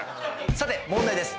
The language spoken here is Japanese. さて問題です